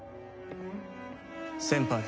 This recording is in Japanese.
先輩